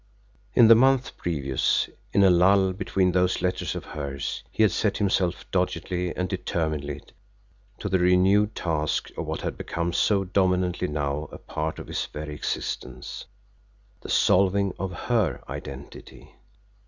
In the month previous, in a lull between those letters of hers, he had set himself doggedly and determinedly to the renewed task of what had become so dominantly now a part of his very existence the solving of HER identity.